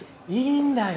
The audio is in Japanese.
いいんだよ。